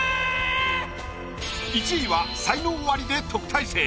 １位は才能アリで特待生。